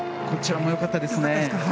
こちらも良かったです。